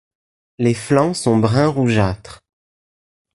Les flancs sont brun-rougeâtre.